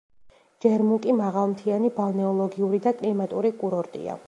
ჯერმუკი მაღალმთიანი ბალნეოლოგიური და კლიმატური კურორტია.